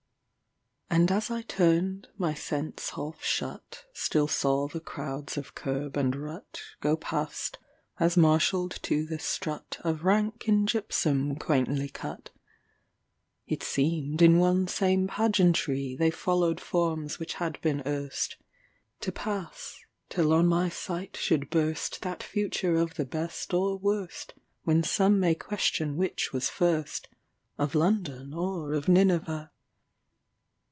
And as I turned, my sense half shutStill saw the crowds of kerb and rutGo past as marshalled to the strutOf rank in gypsum quaintly cut.It seemed in one same pageantryThey followed forms which had been erst; To pass, till on my sight should burstThat future of the best or worstWhen some may question which was first, Of London or of Nineveh.